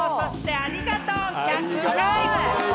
ありがとう！１００回！」。